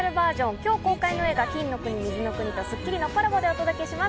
今日公開の映画『金の国水の国』と『スッキリ』のコラボでお届けします。